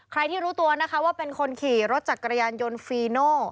ใครที่รู้ตัวนะคะว่าเป็นคนขี่รถจักรยานยนต์ฟีโน่